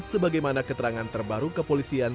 sebagaimana keterangan terbaru kepolisian